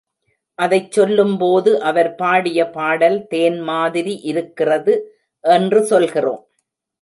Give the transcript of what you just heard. அதைச் சொல்லும்போது, அவர் பாடிய பாடல் தேன் மாதிரி இருக்கிறது என்று சொல்கிறோம்.